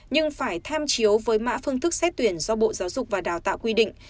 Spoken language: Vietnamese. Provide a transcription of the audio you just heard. nhưng phải tham chiếu với mã phương thức xét tuyển do bộ giáo dục và đào tạo quy định